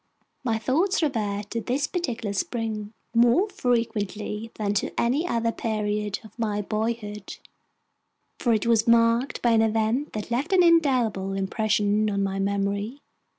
My thoughts revert to this particular spring more frequently than to any other period of my boyhood, for it was marked by an event that left an indelible impression on my memory.